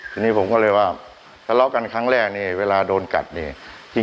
ทีนี้ผมก็เลยว่าทะเลาะกันครั้งแรกนี่เวลาโดนกัดเนี่ย